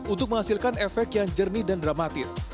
untuk menghasilkan efek yang jernih dan dramatis